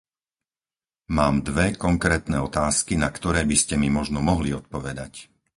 Mám dve konkrétne otázky, na ktoré by ste mi možno mohli odpovedať.